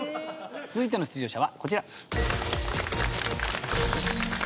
続いての出場者はこちら。